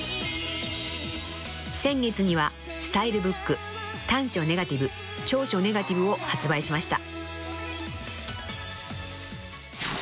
［先月にはスタイルブック『短所ネガティブ長所ネガティブ』を発売しました］